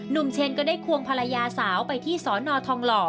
เชนก็ได้ควงภรรยาสาวไปที่สอนอทองหล่อ